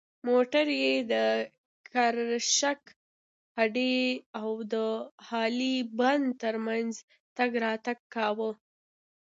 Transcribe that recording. موټر یې د کرشک هډې او د هالې بند تر منځ تګ راتګ کاوه.